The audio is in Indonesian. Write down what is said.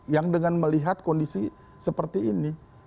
yang dengan melihat kondisi seperti ini